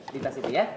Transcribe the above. ditas itu ya